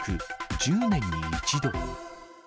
１０年に１度。